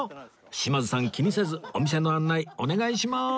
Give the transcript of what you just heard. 島津さん気にせずお店の案内お願いします